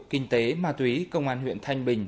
kinh tế ma túy công an huyện thanh bình